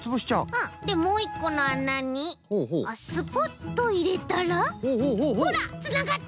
うんでもういっこのあなにスポッといれたらほらつながった！